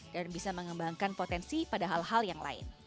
dan bisa mengembangkan potensi pada hal hal yang lain